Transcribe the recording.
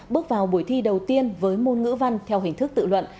bước vào buổi thi đầu tiên với môn ngữ văn theo hình thức tự luận